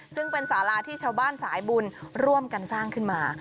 ซึ่งเป็นสาราที่ชาวบ้านสายบุญร่วมกันสร้างขึ้นมา